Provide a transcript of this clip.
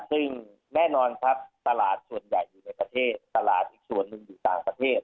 ซึ่งแน่นอนครับตลาดส่วนใหญ่อยู่ในประเทศตลาดอีกส่วนหนึ่งอยู่ต่างประเทศ